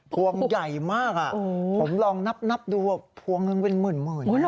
พวงใหญ่มากอ่ะผมลองนับดูว่าพวงเงินเป็นหมื่นแหละ